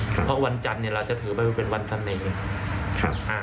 เพราะวันจันทร์เนี่ยเราจะถือไปเป็นวันทะเนก